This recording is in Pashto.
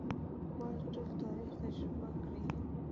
باید ټول تاریخ تجربه کړي.